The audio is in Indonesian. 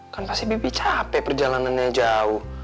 kan pasti bibi capek perjalanannya jauh